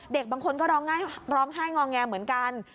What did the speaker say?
บางคนก็ร้องไห้งอแงเหมือนกัน